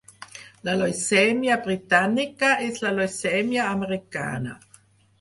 La leucèmia britànica és la leucèmia americana.